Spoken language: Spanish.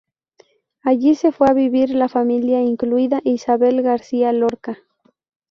Allí se fue a vivir la familia, incluida Isabel García Lorca.